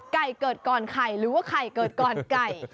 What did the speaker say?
เกิดก่อนไข่หรือว่าไข่เกิดก่อนไก่